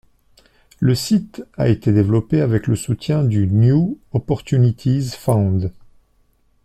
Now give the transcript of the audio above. Le site a été développé avec le soutien du New Opportunities Fund.